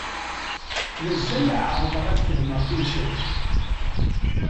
Mazal la ɛerrḍeɣ ad fehmeɣ timsal.